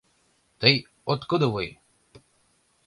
— Тый откудывуй?